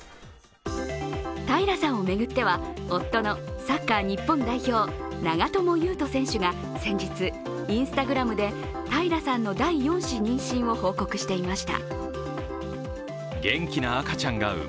平さんを巡っては夫のサッカー日本代表、長友佑都選手が先日、Ｉｎｓｔａｇｒａｍで平さんの第４子妊娠を発表していました。